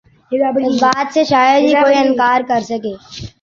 اس بات سے شاید ہی کوئی انکار کرسکے